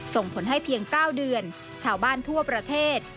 ส่งผลให้เพียง๙เดือนชาวบ้านทั่วประเทศ